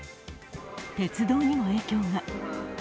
鉄道にも影響が。